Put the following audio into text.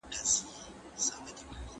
کمپيوټر فولډر نقل کوي.